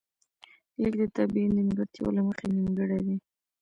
ليک د طبیعي نیمګړتیا له مخې نیمګړی دی